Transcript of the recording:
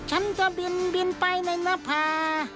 ฉันจะบินไปในหน้าผา